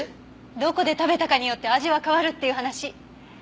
どこで食べたかによって味は変わるっていう話。